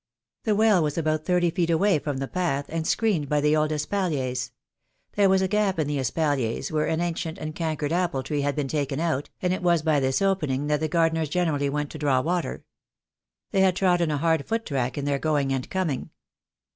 The well was about thirty feet away from the path, and screened by the old espaliers. There was a gap in the espaliers where an an cient and cankered apple tree had been taken out, and it was by this opening that the gardeners generally went to draw water. They had trodden a hard foot track in their going and coming.